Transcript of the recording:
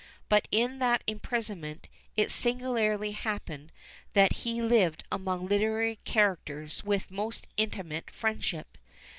But in that imprisonment it singularly happened that he lived among literary characters with most intimate friendship.